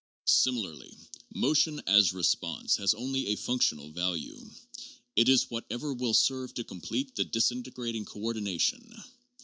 Similarly, motion, as response, has only a functional value. It is whatever will serve to complete the disintegrating coordi nation.